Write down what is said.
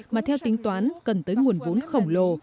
mà theo tính toán cần tới nguồn vốn khổng lồ